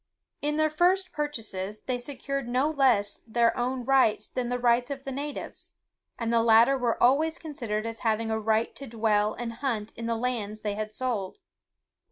In their first purchases, they secured no less their own rights than the rights of the natives; and the latter were always considered as having a right to dwell and hunt in the lands they had sold.